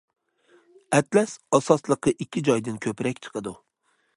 ئەتلەس ئاساسلىقى ئىككى جايدىن كۆپرەك چىقىدۇ.